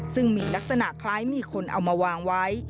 ซึ่งมีลักษณะคล้ายมีคนเอามาวางไว้